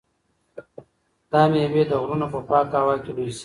دا مېوې د غرونو په پاکه هوا کې لویې شوي دي.